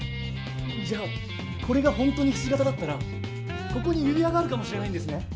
じゃあこれがほんとにひし形だったらここに指輪があるかもしれないんですね？